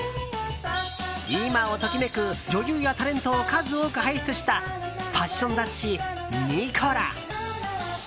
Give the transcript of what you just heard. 今を時めく女優やタレントを数多く輩出したファッション雑誌「ｎｉｃｏｌａ」。